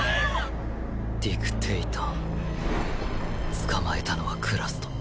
捕まえたのはクラスト。